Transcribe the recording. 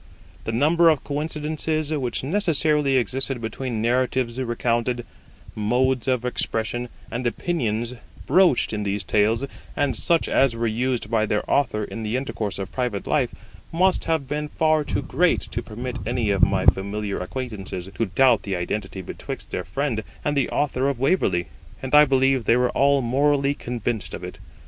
The number of coincidences which necessarily existed between narratives recounted, modes of expression, and opinions broached in these Tales and such as were used by their Author in the intercourse of private life must have been far too great to permit any of my familiar acquaintances to doubt the identity betwixt their friend and the Author of Waverley; and I believe they were all morally convinced of it.